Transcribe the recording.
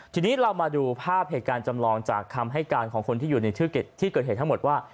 ทีนี้เรามาดูภาพเหตุการณ์จำลองจากคำให้การของคนที่อยู่ในชื่อที่เกิดเหตุทั้งหมดว่า